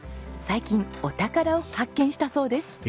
最近お宝を発見したそうです。